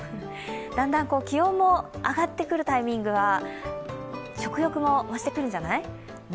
だんだん気温も上がってくるタイミングでは食欲も増してくるんじゃない？